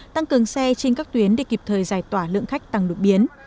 tăng cường xe trên các tuyến để kịp thời giải tỏa lượng khách tăng đột biến